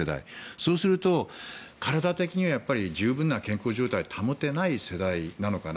そうすると体的には十分な健康状態を保てない世代なのかな。